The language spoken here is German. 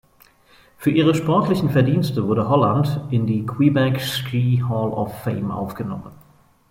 Für ihre sportlichen Verdienste wurde Holland in die Quebec Ski Hall of Fame aufgenommen.